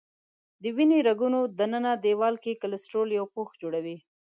د وینې رګونو دننه دیوال کې کلسترول یو پوښ جوړوي.